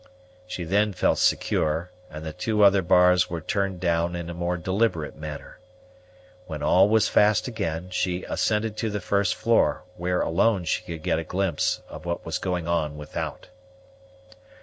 She then felt secure; and the two other bars were turned down in a more deliberate manner. When all was fast again, she ascended to the first floor, where alone she could get a glimpse of what was going on without.